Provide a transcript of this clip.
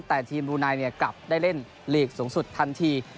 แต่ทีมบรูไนกลับได้เล่นลีกสูงสุดทันที